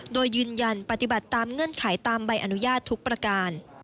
โดยยืนยันปฏิบัติตามเงื่อนไขตามใบอนุญาตทุกประการ